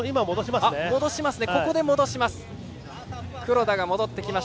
ここで黒田を戻します。